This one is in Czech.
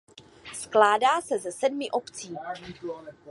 Skládá se ze sedmi obcí.